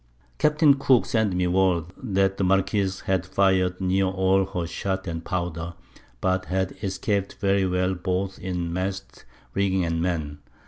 Capt. Cooke sent me word, that the Marquiss had fired near all her Shot and Powder, but had escap'd very well both in Masts, Rigging and Men.